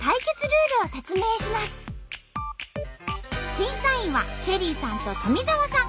審査員はＳＨＥＬＬＹさんと富澤さん。